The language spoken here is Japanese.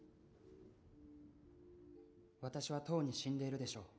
「私はとうに死んでいるでしょう」